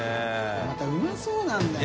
またうまそうなんだよ。